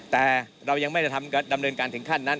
แต่เรายังไม่ได้ดำเนินการถึงขั้นนั้น